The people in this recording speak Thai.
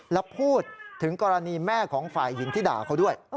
แล้วพูดถึงกรณีแม่ของฝ่ายหญิงที่ด่าเขาด้วย